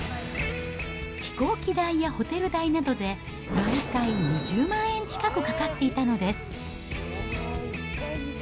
飛行機代やホテル代などで、毎回２０万円近くかかっていたのです。